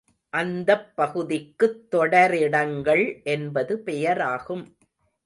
அந்தப் பகுதிக்குத் தொடரிடங்கள் என்பது பெயராகும்.